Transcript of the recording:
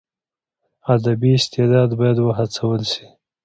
ادبي استعداد باید وهڅول سي.